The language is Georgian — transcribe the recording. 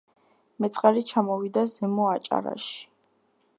მეწყერი ჩამოვიდა ზემო აჭარაში